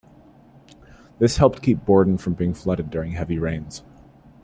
This helped keep Borden from being flooded during heavy rains.